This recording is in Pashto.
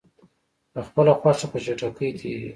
په خپله خوښه په چټکۍ تېریږي.